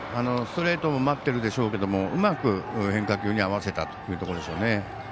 ストレートも待っているでしょうけどうまく変化球に合わせたというところでしょうね。